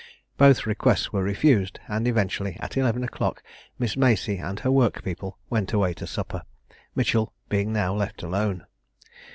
Both requests were refused, and eventually at eleven o'clock Miss Macey and her work people went away to supper, Mitchell being now left alone.